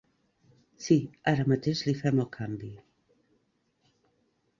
Sí, ara mateix li fem el canvi.